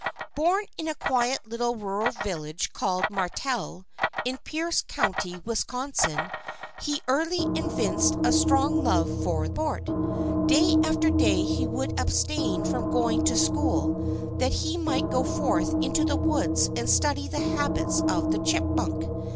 Born in a quiet little rural village called Martelle, in Pierce county, Wisconsin, he early evinced a strong love for sport. Day after day he would abstain from going to school that he might go forth into the woods and study the habits of the chipmunk.